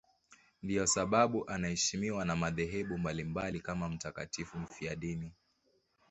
Ndiyo sababu anaheshimiwa na madhehebu mbalimbali kama mtakatifu mfiadini.